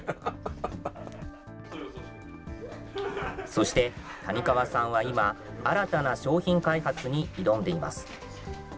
そして、谷川さんは今、新たな商品開発に挑んでいます。